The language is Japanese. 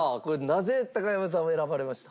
なぜ高山さんを選ばれました？